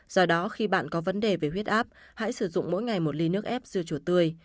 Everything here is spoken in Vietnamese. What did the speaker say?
do đó khi bạn có vấn đề về huyết áp hãy sử dụng mỗi ngày một ly nước ép dư chùa tươi